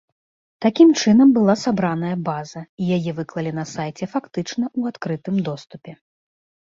Такім чынам была сабраная база і яе выклалі на сайце фактычна ў адкрытым доступе.